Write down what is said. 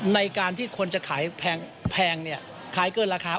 ในการที่คนจะขายแพงเนี่ยขายเกินราคา